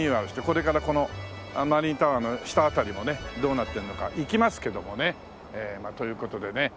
これからこのマリンタワーの下辺りもねどうなっているのか行きますけどもね。という事でね。